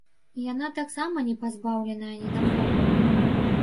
Яна таксама не пазбаўленая недахопаў.